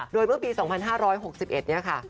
โดยเมื่อปี๒๕๖๑เนี่ยค่ะ